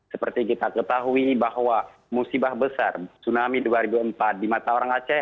seperti kita ketahui bahwa musibah besar tsunami dua ribu empat di mata orang aceh